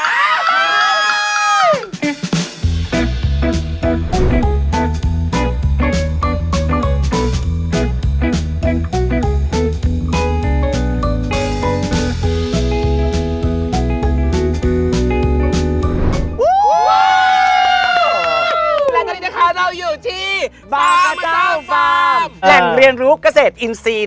และตอนนี้นะคะเราอยู่ที่บาร์เจ้าฟาร์มแหล่งเรียนรู้เกษตรอินทรีย์